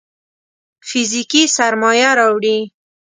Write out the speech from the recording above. فزيکي سرمايه راوړي.